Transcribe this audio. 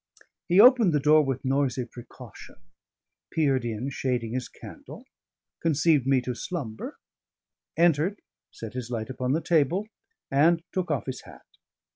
He opened the door with noisy precaution; peered in, shading his candle; conceived me to slumber; entered, set his light upon the table, and took off his hat.